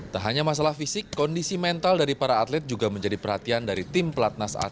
tak hanya masalah fisik kondisi mental dari para atlet juga menjadi perhatian dari tim pelatnas atletik